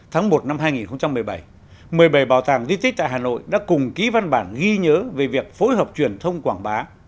tháng một năm hai nghìn một mươi bảy một mươi bảy bảo tàng di tích tại hà nội đã cùng ký văn bản ghi nhớ về việc phối hợp truyền thông quảng bá